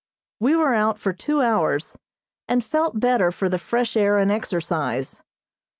We were out for two hours, and felt better for the fresh air and exercise.